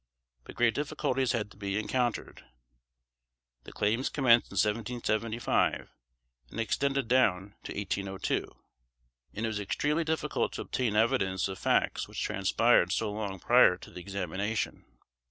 But great difficulties had to be encountered. The claims commenced in 1775 and extended down to 1802, and it was extremely difficult to obtain evidence of facts which transpired so long prior to the examination.